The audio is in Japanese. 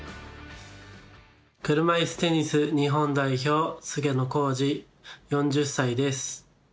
車いすテニス日本代表菅野浩二、４０歳です。